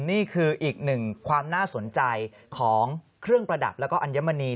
นี่คืออีกหนึ่งความน่าสนใจของเครื่องประดับแล้วก็อัญมณี